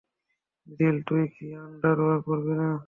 জিল, তুই কি আন্ডারওয়্যার পরবি না?